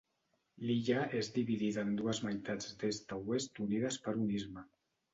L'illa és dividida en dues meitats d'est a oest unides per un istme.